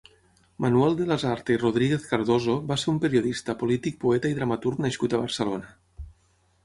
Manuel de Lasarte i Rodríguez-Cardoso va ser un periodista, polític, poeta i dramaturg nascut a Barcelona.